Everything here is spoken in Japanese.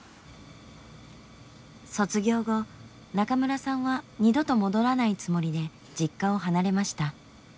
卒業後中村さんは二度と戻らないつもりで実家を離れました。